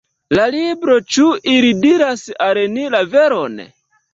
La libro Ĉu ili diras al ni la veron?